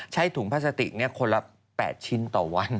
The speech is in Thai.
ใช้ถุงพลาสติกคนละ๘ชิ้นต่อวัน